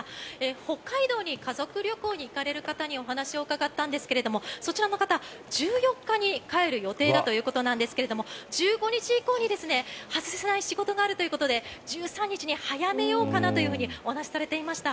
北海道に家族旅行に行かれる方にお話を伺ったんですがそちらの方、１４日に帰る予定だということなんですが１５日以降に外せない仕事があるということで１３日に早めようかなとお話しされていました。